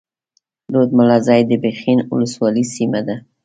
رود ملازۍ د پښين اولسوالۍ سيمه ده.